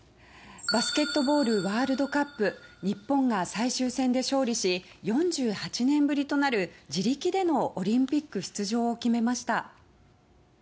バスケットボールワールドカップ日本が最終戦で勝利し４８年ぶりとなる自力でのオリンピック出場を決めました。